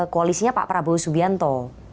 koalisinya pak prabowo subianto